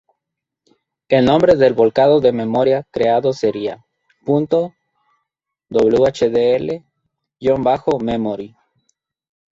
El nombre del volcado de memoria creado será ".whdl_memory".